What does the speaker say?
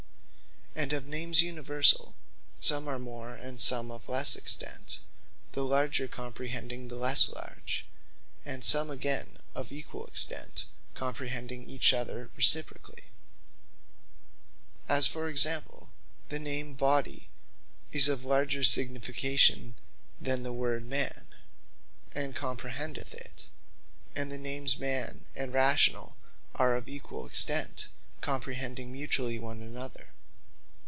And of Names Universall, some are of more, and some of lesse extent; the larger comprehending the lesse large: and some again of equall extent, comprehending each other reciprocally. As for example, the Name Body is of larger signification than the word Man, and conprehendeth it; and the names Man and Rationall, are of equall extent, comprehending mutually one another.